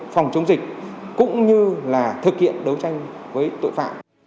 phòng chống dịch cũng như là thực hiện đấu tranh với tội phạm